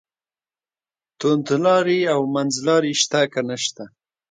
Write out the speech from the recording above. توندلاري او منځلاري شته که نشته.